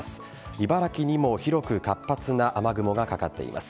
茨城にも広く活発な雨雲がかかっています。